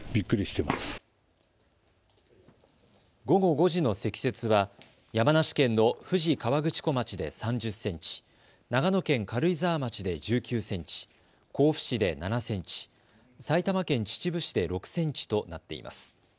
午後５時の積雪は山梨県の富士河口湖町で３０センチ、長野県軽井沢町で１９センチ、甲府市で７センチ、埼玉県秩父市で６センチとなっています。